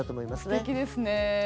すてきですね。